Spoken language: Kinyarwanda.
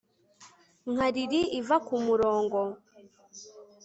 Nka lili iva kumurongo